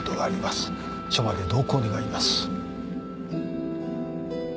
署まで同行願います。